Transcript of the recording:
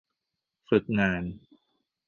ฝึกงาน